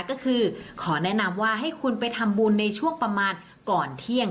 ก็คือขอแนะนำว่าให้คุณไปทำบุญในช่วงประมาณก่อนเที่ยง